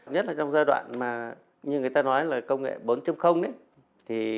nhất là trong giai đoạn mà như người ta nói là công nghệ bốn thì cần phải học tập